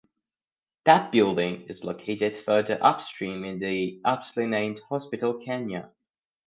That building is located further upstream in the aptly named 'Hospital Canyon'.